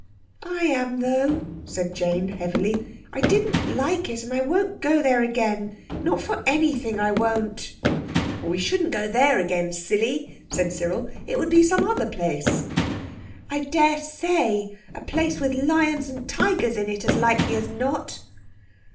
"I am though," said Jane heavily; "I didn't like it, and I won't go there again—not for anything I won't." "We shouldn't go there again, silly," said Cyril; "it would be some other place." "I daresay; a place with lions and tigers in it as likely as not."